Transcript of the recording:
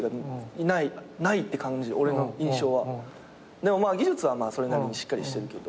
でも技術はそれなりにしっかりしてるけど。